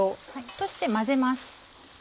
そして混ぜます。